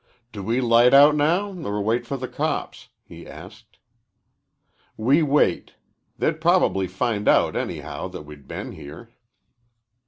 "Do we light out now or wait for the cops?" he asked. "We wait. They'd probably find out, anyhow, that we'd been here."